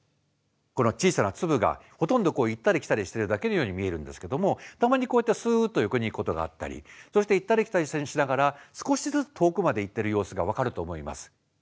この小さな粒がほとんど行ったり来たりしてるだけのように見えるんですけどもたまにこうやってすっと横に行くことがあったりそして行ったり来たりしながら少しずつ遠くまで行ってる様子が分かると思います。